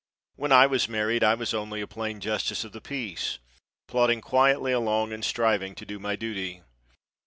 When I was married I was only a plain justice of the peace, plodding quietly along and striving to do my duty.